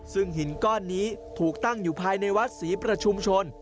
ซึ่งหินก้อนนี้ถูกตั้งอยู่ภายในวัดศรีประชุมชน